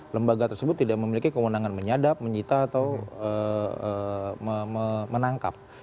lembaga tersebut tidak memiliki kewenangan menyadap menyita atau menangkap